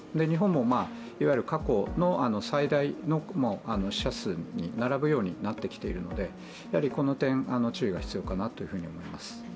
日本もいわゆる過去の最大の死者数に並ぶようになってきているので、この点、注意が必要かなと思います。